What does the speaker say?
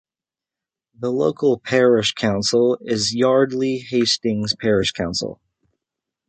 The local parish council is Yardley Hastings Parish Council.